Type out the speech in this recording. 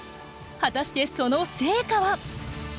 果たしてその成果は？